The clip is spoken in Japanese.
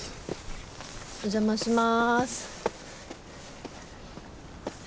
お邪魔します。